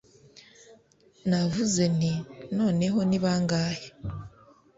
Navuze nti Noneho ni bangahe